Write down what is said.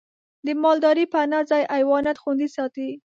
د مالدارۍ پناه ځای حیوانات خوندي ساتي.